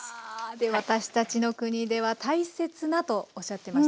「私たちの国では大切な」とおっしゃってました